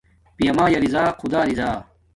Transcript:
پیامایا رضا خدا راضا